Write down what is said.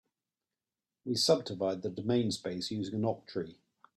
We subdivide the domain space using an octree.